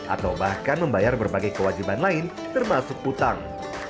atau bahkan membayar berbagai kewajiban lain termasuk utang